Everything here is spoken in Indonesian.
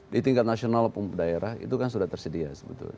di tingkat nasional daerah itu kan sudah tersedia sebetulnya